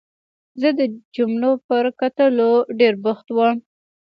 زه د جملو پر کټلو ډېر بوخت وم.